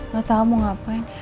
gak tau mau ngapain